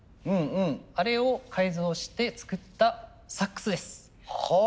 あれを改造して作ったサックスです。